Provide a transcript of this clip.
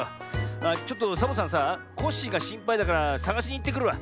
あっちょっとサボさんさコッシーがしんぱいだからさがしにいってくるわ。